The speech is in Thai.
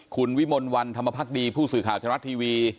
คุณวิมลวันธรรมพักดีผู้สื่อข่าวชะลัดทีวี